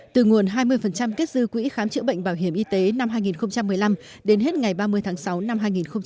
từ nguồn hai mươi kết dư quỹ khám chữa bệnh bảo hiểm y tế năm hai nghìn một mươi năm đến hết ngày ba mươi tháng sáu năm hai nghìn một mươi chín